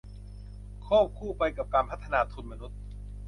ควบคู่ไปกับการพัฒนาทุนมนุษย์